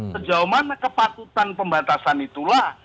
sejauh mana kepatutan pembatasan itulah